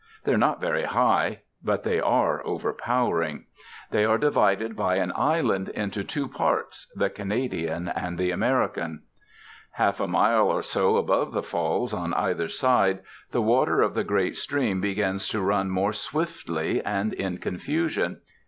They are not very high, but they are overpowering. They are divided by an island into two parts, the Canadian and the American. Half a mile or so above the Falls, on either side, the water of the great stream begins to run more swiftly and in confusion.